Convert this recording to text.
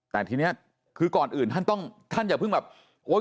แต่ทีนี้คือก่อนอื่นท่านต้องท่านอย่าเพิ่งแบบโอ๊ย